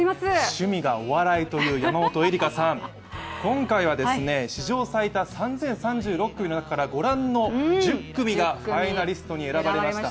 趣味がお笑いという山本恵里伽さん、今回は史上最多３０３６組の中からご覧の１０組がファイナリストに選ばれました。